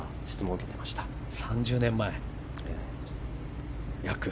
約３０年前。